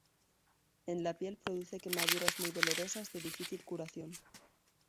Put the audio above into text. En la piel produce quemaduras muy dolorosas de difícil curación.